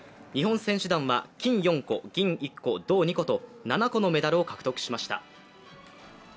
日本選手団は、金４個、銀１個、銅２個と、７個のメダルを獲得しました。